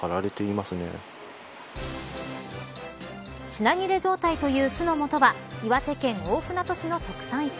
品切れ状態という酢の素は岩手県大船渡市の特産品。